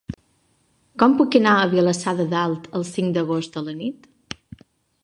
Com puc anar a Vilassar de Dalt el cinc d'agost a la nit?